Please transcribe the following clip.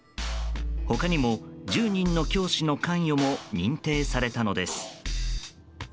他にも１０人の教師の関与も認定されたのです。